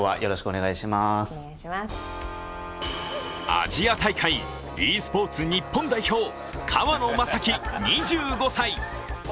アジア大会ｅスポーツ日本代表、川野将輝２５歳。